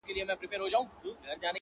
جانان پاته پر وطن زه یې پرېښودم یوازي.!